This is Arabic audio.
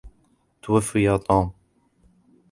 توفي توم.